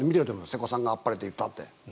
瀬古さんがあっぱれと言ったって。